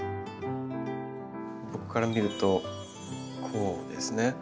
僕から見るとこうですね。